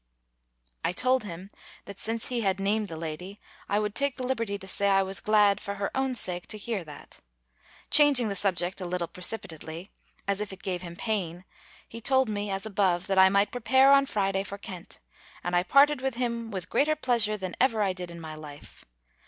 I told him, that since he had named the lady, I would take the liberty to say, I was glad, for her own sake, to hear that. Changing the subject a little precipitately, as if it gave him pain, he told me, as above, that I might prepare on Friday for Kent; and I parted with him with greater pleasure than ever I did in my life.